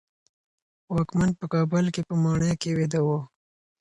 واکمن په کابل کې په ماڼۍ کې ویده و.